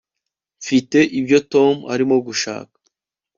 mfite ibyo tom arimo gushaka